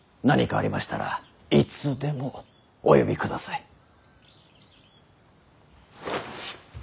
何かありましたらいつでもお呼びください。